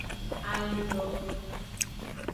Alindo.